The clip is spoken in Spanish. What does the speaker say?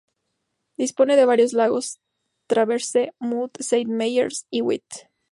Dispone de varios lagos: Traverse, Mud, Saint Marys y Wet.